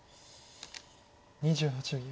２８秒。